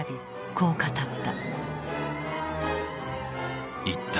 こう語った。